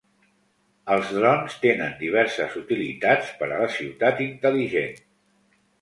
Els drons tenen diverses utilitats per a la ciutat intel·ligent.